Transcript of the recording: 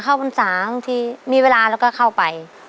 พรรษาบางทีมีเวลาแล้วก็เข้าไป